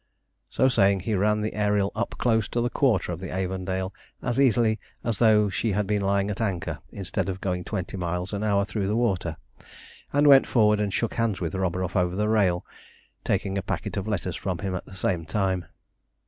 So saying, he ran the Ariel up close to the quarter of the Avondale as easily as though she had been lying at anchor instead of going twenty miles an hour through the water, and went forward and shook hands with Roburoff over the rail, taking a packet of letters from him at the same time.